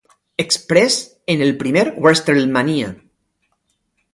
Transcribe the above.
Express en el primer WrestleMania.